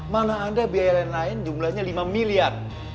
mana ada biaya lain lain jumlahnya lima miliar